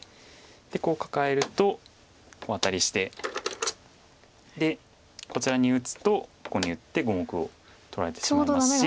こうカカえるとワタリしてでこちらに打つとここに打って５目を取られてしまいますし。